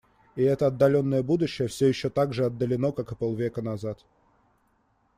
И это отдаленное будущее все еще так же отдалённо, как и полвека назад.